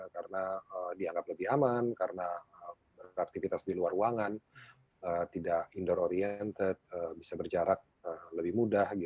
karena dianggap lebih aman karena beraktivitas di luar ruangan tidak indoor oriented bisa berjarak lebih mudah